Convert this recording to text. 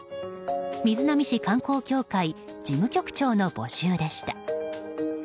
瑞浪市観光協会事務局長の募集でした。